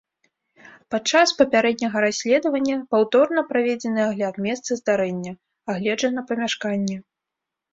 Падчас папярэдняга расследавання паўторна праведзены агляд месца здарэння, агледжана памяшканне.